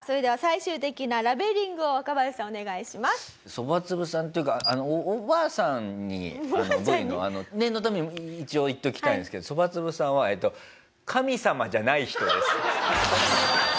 そばつぶさんっていうかあのおばあさんにＶの念のために一応言っておきたいんですけどそばつぶさんは神様じゃない人です。